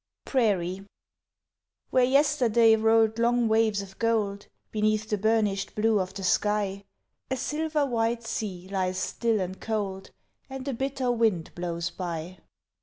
PRAIRIE Where yesterday rolled long waves of gold Beneath the burnished blue of the sky, A silver white sea lies still and cold, And a bitter wind blows by.